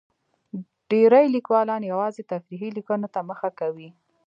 ډېری لیکوالان یوازې تفریحي لیکنو ته مخه کوي.